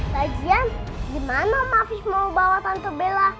lagian di mana ma fis mau bawa tante bella